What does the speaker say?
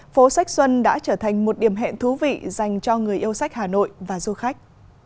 phố sách xuân đã trở thành một điểm hẹn thú vị dành cho người yêu sách hà nội và du khách